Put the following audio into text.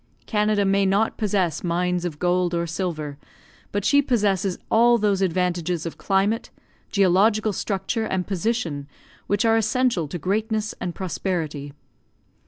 Canada may not possess mines of gold or silver, but she possesses all those advantages of climate, geological structure, and position, which are essential to greatness and prosperity.